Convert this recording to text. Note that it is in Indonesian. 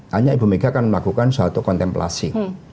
hanya ibu mega akan melakukan suatu kontemplasi